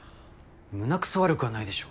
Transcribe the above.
胸くそ悪くはないでしょ。